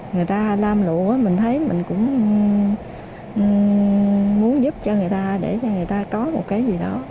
người ta lam lụa mình thấy mình cũng muốn giúp cho người ta để cho người ta có một cái gì đó